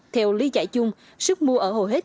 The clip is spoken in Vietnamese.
theo lý giải chung sức mua ở hầu hết